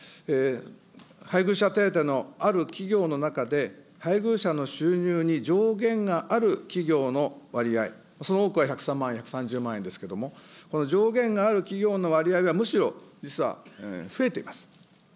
配偶者手当のある企業の中で、配偶者の収入に上限がある企業の割合、その多くは１０３万、１３０万ですけれども、この上限がある企業の割合がむしろ実は増えています。